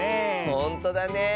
ほんとだねえ。